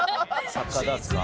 「サッカーダーツか？」